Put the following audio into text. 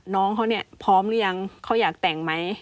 น้องเขาเนี่ยพร้อมหรือยังเขาอยากแต่งไหม